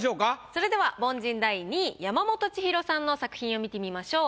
それでは凡人第２位山本千尋さんの作品を見てみましょう。